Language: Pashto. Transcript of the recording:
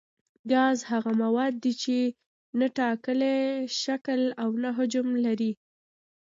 ګاز هغه مواد دي چې نه ټاکلی شکل او نه حجم لري.